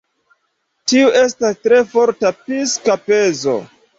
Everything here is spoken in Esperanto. Tiu estas tre forta psika pezo.